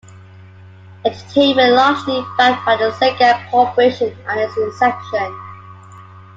Entertainment and largely backed by the Sega Corporation at its inception.